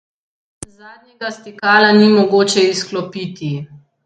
Zadnjega stikala ni mogoče izklopiti.